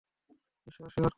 ঈশ্বর আশীর্বাদ কোরো।